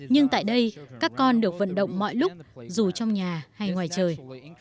nhưng tại đây các con được vận động mọi lúc dù trong nhà hay ngoài trời